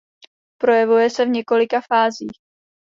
Projevuje se v několika fázích.